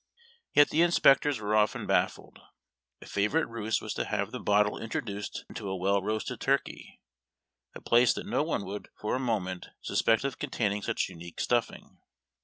Yet the inspectors were often baffled. A favorite ruse Avas to have the bottle introduced into a well roasted turkey, a place that no one would for a moment suspect of containing such unique stuffing.